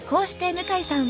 向井さん？